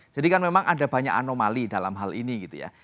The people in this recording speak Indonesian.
jadi kan memang ada banyak anomali dalam hal ini gitu ya